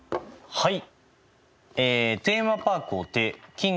はい。